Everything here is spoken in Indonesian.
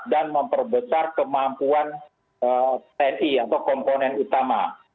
dan memperbesar kemampuan tni atau komponen utama